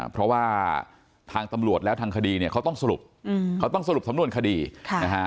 เพราะว่าทางตำรวจแล้วทางคดีเนี่ยเขาต้องสรุปเขาต้องสรุปสำนวนคดีนะฮะ